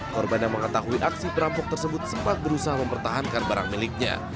korban yang mengetahui aksi perampok tersebut sempat berusaha mempertahankan barang miliknya